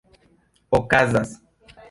okazas